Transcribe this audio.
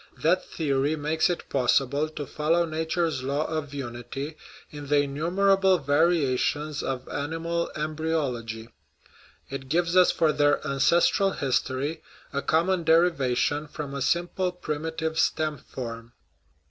That theory makes it possible to follow nature's law of unity in the innumerable variations of animal embryology ; it gives us for their ancestral history a common derivation from a simple primitive stem form.